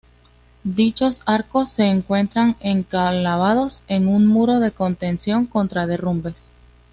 Dichos arcos se encuentran enclavados en un muro de contención contra derrumbes.